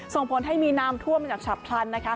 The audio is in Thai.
ส่งผลให้มีน้ำท่วมจากฉับพลัน